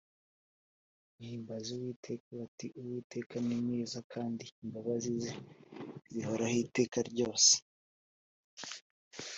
bahimbaza uwiteka bati: ‘uwiteka ni mwiza kandi imbabazi ze zihoraho iteka ryose.’